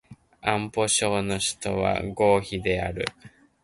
安徽省の省都は合肥である